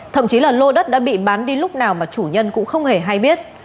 thậm chí là lô đất đã bị bán đi lúc nào mà chủ nhân cũng không hề hay biết